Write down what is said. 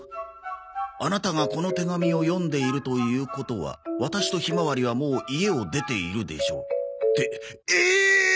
「あなたがこの手紙を読んでいるということは私とひまわりはもう家を出ているでしょう」ってええーっ！？